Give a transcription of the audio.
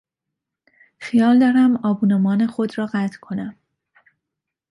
خیال دارم آبونمان خود را قطع کنم.